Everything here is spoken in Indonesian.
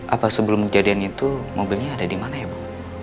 apa sebelum kejadian itu mobilnya ada dimana ya bu